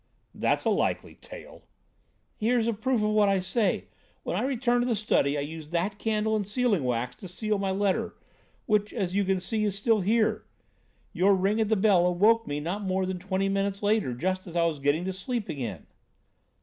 "That's a likely tale!" "Here's a proof of what I say! When I returned to this study I used that candle and sealing wax to seal my letter, which, as you can see, is still here. Your ring at the bell awoke me not more than twenty minutes later, just as I was getting to sleep again."